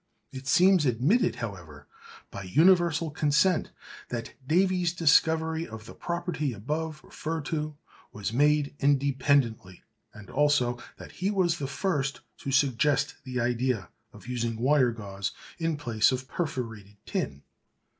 It seems admitted, however, by universal consent, that Davy's discovery of the property above referred to was made independently, and also that he was the first to suggest the idea of using wire gauze in place of perforated tin.